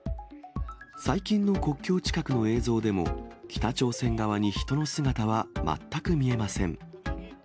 最近の国境近くの映像でも、北朝鮮側に人の姿は全く見えません。